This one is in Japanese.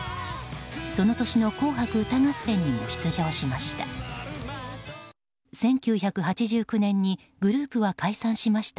その年の「紅白歌合戦」にも出場しました。